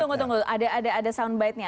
tunggu tunggu tunggu